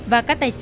và các tài sản